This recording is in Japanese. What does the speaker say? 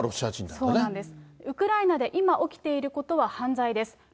ウクライナで今起きていることは犯罪です。